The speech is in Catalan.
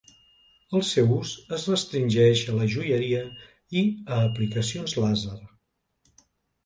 El seu ús es restringeix a la joieria i a aplicacions làser.